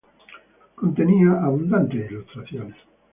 Contenía abundantes ilustraciones.